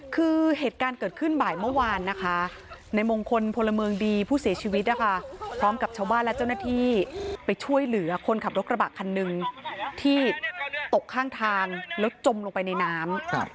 คือเหตุการณ์เกิดขึ้นบ่ายเมื่อวานนะคะในมงคลพลเมืองดีผู้เสียชีวิตนะคะพร้อมกับชาวบ้านและเจ้าหน้าที่ไปช่วยเหลือคนขับรถกระบะคันหนึ่งที่ตกข้างทางแล้วจมลงไปในน้ำ